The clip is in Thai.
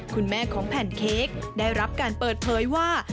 คุณแม่ของแผ่นเค้กได้รับการเปิดเผยว่า